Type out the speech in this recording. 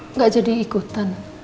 enggak jadi ikutan